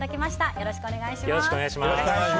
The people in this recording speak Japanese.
よろしくお願いします。